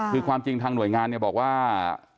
คือความจริงทางหน่วยงานเนี่ยบอกว่า